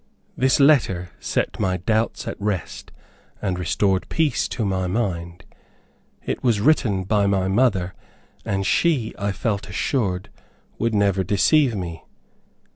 This letter set all my doubts at rest, and restored peace to my mind. It was written by my mother, and she, I felt assured, would never deceive me.